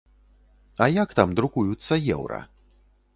А як там друкуюцца еўра?